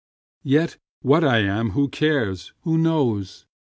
yet what I am who cares, or knows?